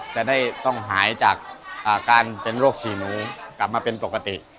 จะได้ต้องหายจากการเป็นโรคสี่หมูกลับมาเป็นปกติ